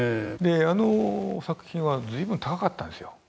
あの作品は随分高かったんですよ。